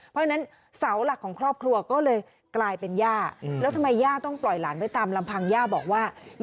เพราะฉะนั้นเสาลักษมณ์ของครอบครัวก็เลยกลายเป็นย่า